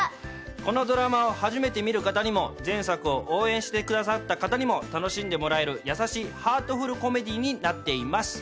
このドラマを初めて見る方にも前作を応援してくださった方にも楽しんでもらえる優しいハートフル・コメディになっています。